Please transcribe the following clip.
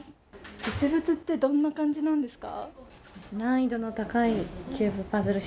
実物ってどんな感じなんですか？